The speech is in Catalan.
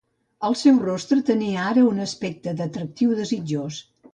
Al seu rostre tenia ara un aspecte d'atractiu desitjós.